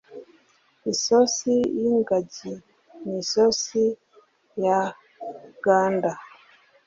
isosi y'ingagi ni isosi ya gander.